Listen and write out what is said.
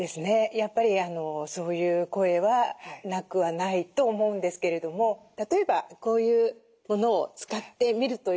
やっぱりそういう声はなくはないと思うんですけれども例えばこういうものを使ってみるというのはいかがでしょう。